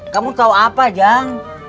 kamu tahu apa jang